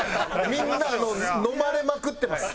みんなのまれまくってます